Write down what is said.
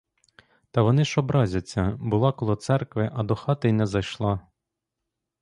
Та вони ж образяться: була коло церкви, а до хати й не зайшла.